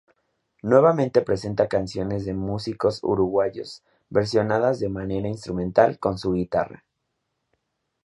Nuevamente presenta canciones de músicos uruguayos versionadas de manera instrumental con su guitarra.